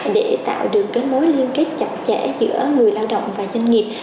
để tạo được mối liên kết chặt chẽ giữa người lao động và doanh nghiệp